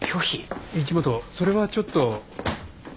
一本それはちょっと。